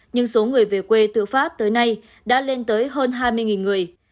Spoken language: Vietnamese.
nhưng số người về quê tự phát tới nay đã lên tới hơn hai mươi người